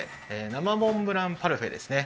生モンブランパルフェですね。